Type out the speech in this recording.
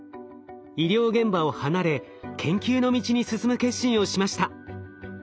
医療現場を離れ研究の道に進む決心をしました。